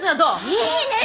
いいね！